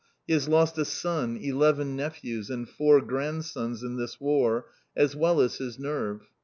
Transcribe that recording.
He has lost a son, eleven nephews, and four grandsons in this War, as well as his nerve.